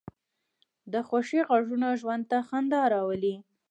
د خوښۍ غږونه ژوند ته خندا راولي